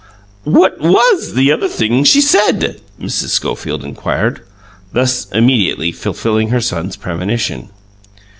"What WAS the other thing she said?" Mr. Schofield inquired, thus immediately fulfilling his son's premonition.